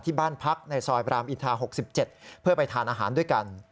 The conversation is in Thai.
บ้านพักในซอยบรามอินทา๖๗เพื่อไปทานอาหารด้วยกัน